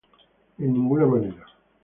En ninguna manera.